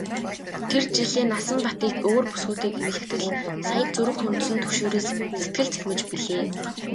Тэр жилээ Насанбатыг өөр бүсгүйтэй гэрлэхэд л сая зүрх хөндсөн түгшүүрээс сэтгэл цэлмэж билээ.